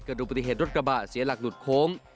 ดูปฏิเหตุรถกระบะเสียหลักหลุดโค้ง